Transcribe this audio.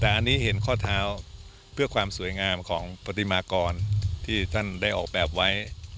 แต่อันนี้เห็นข้อเท้าเพื่อความสวยงามของปฏิมากรที่ท่านได้ออกแบบไว้